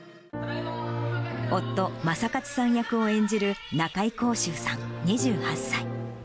夫、正勝さん役を演じる、中井こうしゅうさん２８歳。